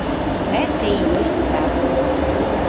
Гэта і ёсць слава.